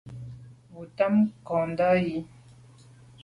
Bo tam ngàmndà yi.